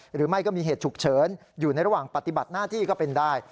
หรือไม่ก็มีเหตุฉุกเฉินอยู่ในระหว่างปฏิบัติหน้าที่ก็เป็นได้